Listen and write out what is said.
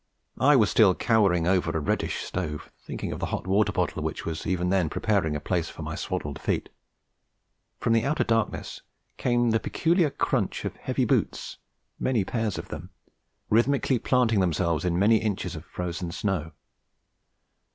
I was still cowering over a reddish stove, thinking of the old hot water bottle which was even then preparing a place for my swaddled feet: from outer darkness came the peculiar crunch of heavy boots many pairs of them rhythmically planting themselves in many inches of frozen snow.